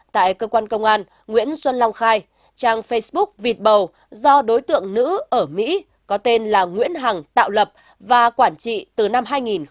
tại cơ quan công an nguyễn xuân long khai trang facebook vịt bầu do đối tượng nữ ở mỹ có tên là nguyễn hằng tạo lập và quản trị từ năm hai nghìn một mươi ba